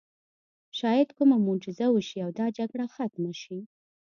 شاید کومه معجزه وشي او دا جګړه ختمه شي